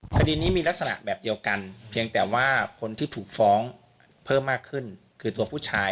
คดีนี้มีลักษณะแบบเดียวกันเพียงแต่ว่าคนที่ถูกฟ้องเพิ่มมากขึ้นคือตัวผู้ชาย